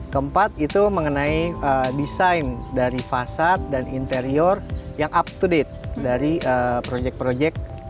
keempat itu mengenai desain dari fasad dan interior yang up to date dari proyek proyek